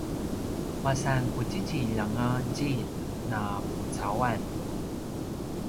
masan qudjidjilj anga djilj na pucauan